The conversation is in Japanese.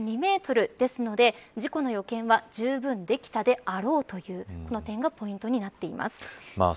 今回は水深２メートルですので事故の予見はじゅうぶんできたであろうというこの点がポイントでなってます。